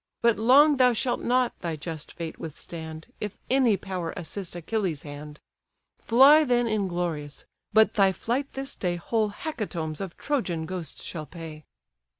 But long thou shalt not thy just fate withstand, If any power assist Achilles' hand. Fly then inglorious! but thy flight this day Whole hecatombs of Trojan ghosts shall pay."